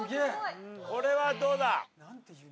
これはどうだ？